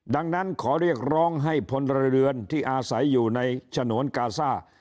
ดังนั้นขอเรียกร้องให้พลเรือนที่อาศัยอยู่ในฉนวนกาซ่า